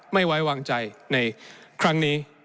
ไม่ไว้วางใจในครั้งนี้